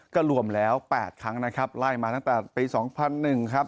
ก็รวมแล้ว๘ครั้งนะครับไล่มาตั้งแต่ปี๒๐๐๑ครับ